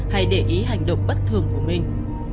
hay để ý hành động bất thường của mình